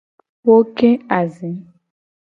Wo ke azi.